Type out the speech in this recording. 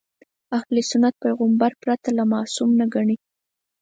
اهل سنت پیغمبر پرته معصوم نه ګڼي.